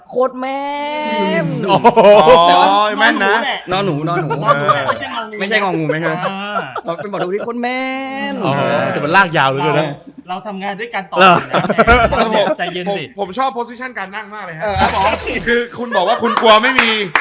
คนนั้นคนนั้นคนนั้นอ๋อไม่เงียบออกด้วยเราทำงานด้วยกันผมชอบพอซิชั่นการนั่งมากเลยคือคุณบอกว่าคุณกลัวไม่มี